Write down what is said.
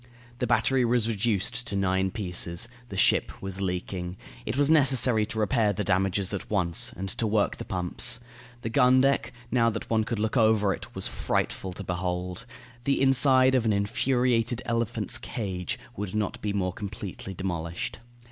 The battery was reduced to nine pieces. The ship was leaking. It was necessary to repair the damages at once, and to work the pumps. The gun deck, now that one could look over it, was frightful to behold. The inside of an infuriated elephant's cage would not be more completely demolished.